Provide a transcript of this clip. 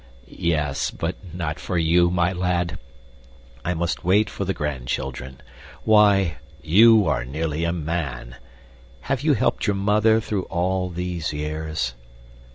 "Yes, but not for you, my lad. I must wait for the grandchildren. Why, you are nearly a man. Have you helped your mother through all these years?"